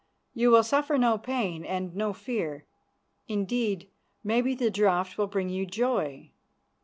You will suffer no pain and no fear; indeed, maybe the draught will bring you joy."